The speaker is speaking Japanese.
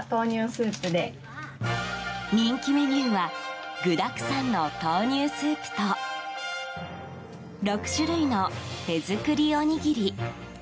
人気メニューは具だくさんの豆乳スープと６種類の手作りおにぎり。